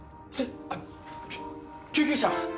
あっきゅ救急車！